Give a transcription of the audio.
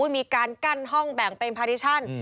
มีการกั้นห้องแบ่งเป็นพาดิชั่น